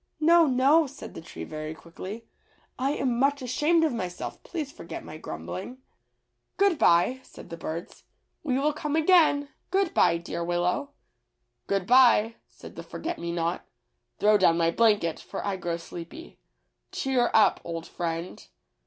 "No, no," said the tree very quickly, "I am much ashamed of myself. Please forget my grumbling." 114 THE WILLOW'S WISH. ^^Good by/' said the birds; "we will come again. Good by, dear Willow.^' "Good by," said the forget me not; "throw down my blanket, for I grow sleepy. Cheer up, old friend."